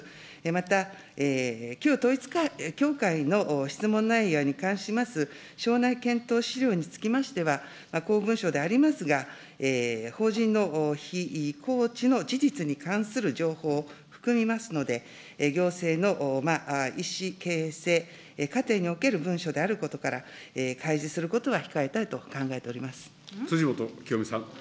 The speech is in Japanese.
また、旧統一教会の質問内容に関します省内検討資料につきましては、公文書でありますが、法人の非公知の事実に関する情報を含みますので、行政の意思形成過程における文書であることから、開示することは辻元清美さん。